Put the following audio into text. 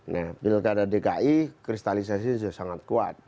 nah pilkada dki kristalisasi sudah sangat kuat